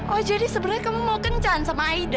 oh jadi sebenarnya kamu mau kencan sama aida